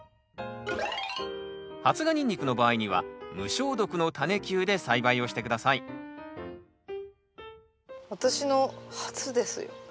発芽ニンニクの場合には無消毒のタネ球で栽培をして下さい私の初ですよ。